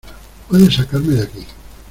Puedes sacarme de aquí.